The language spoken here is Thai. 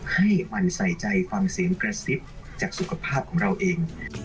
หมั่นใส่ใจฟังเสียงกระซิบจากสุขภาพของเราเอง